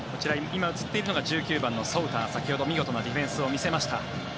今、映っているのが１９番のソウター先ほど見事なディフェンスを見せました。